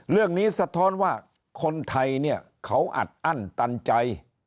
เรื่องนี้สะท้อนว่าคนไทยเนี่ยเขาอัดอั้นตันใจ